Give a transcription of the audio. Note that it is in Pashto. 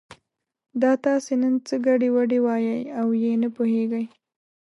دا تاسې نن څه ګډې وډې وایئ او یې نه پوهېږي.